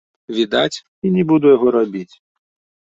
Відаць, і не буду яго рабіць.